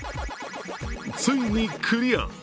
ついにクリア。